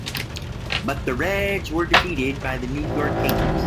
But the Reds were defeated by the New York Yankees.